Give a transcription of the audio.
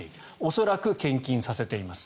恐らく献金させています。